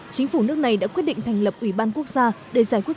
chính phủ nước này đã quyết định thành lập ủy ban quốc gia để giải quyết